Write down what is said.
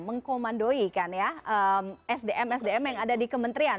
mengkomandoikan sdm sdm yang ada di kementerian